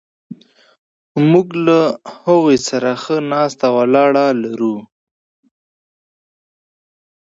موږ له هغوی سره ښه ناسته ولاړه لرو.